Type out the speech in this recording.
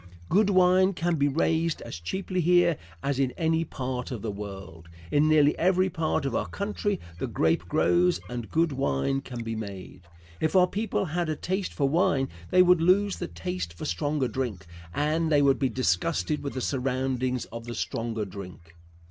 Good wine can be raised as cheaply here as in any part of the world. In nearly every part of our country the grape grows and good wine can be made. If our people had a taste for wine they would lose the taste for stronger drink, and they would be disgusted with the surroundings of the stronger drink.